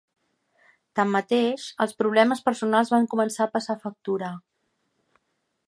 Tanmateix, els problemes personals van començar a passar factura.